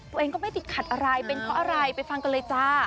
ตัวเองก็ไม่ติดขัดอะไรเป็นเพราะอะไรไปฟังกันเลยจ้า